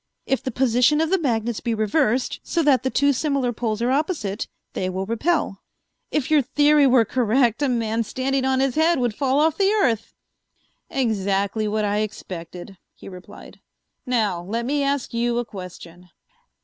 "If the position of the magnets be reversed so that the two similar poles are opposite, they will repel. If your theory were correct, a man standing on his head would fall off the earth." "Exactly what I expected," he replied. "Now let me ask you a question.